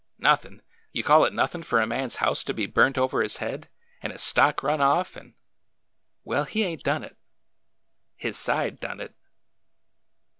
Nothin' ! You call it nothin' for a man's house to be burnt over his head, and his stock run off, and —" Well, he ain't done it !" ^^His side done it!"